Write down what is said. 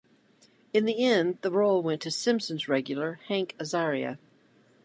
In the end, the role went to "Simpsons" regular Hank Azaria.